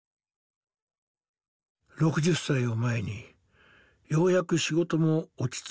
６０歳を前にようやく仕事も落ち着いてきた頃夫が他界。